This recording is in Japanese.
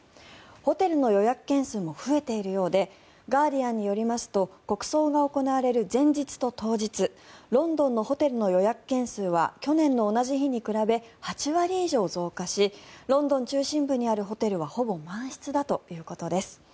ホテルの予約件数も増えているようでガーディアンによりますと国葬が行われる前日と当日ロンドンのホテルの予約件数は去年の同じ日に比べ８割以上、増加しロンドン中心部にあるホテルはほぼ満室だということです。